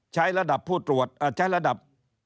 ใช้ระดับ